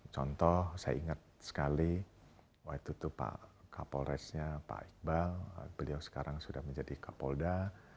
contoh saya ingat sekali waktu itu pak kapolresnya pak iqbal beliau sekarang sudah menjadi kapolda